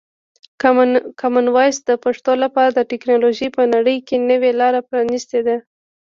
کامن وایس د پښتو لپاره د ټکنالوژۍ په نړۍ کې نوې لاره پرانیستې ده.